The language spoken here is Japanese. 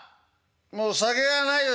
もう酒がないよ